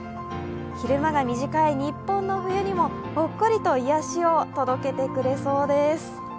昼間が短い日本の冬にもほっこりと癒やしを届けてくれそうです。